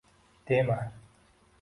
Dema